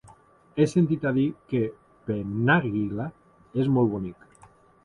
He sentit a dir que Penàguila és molt bonic.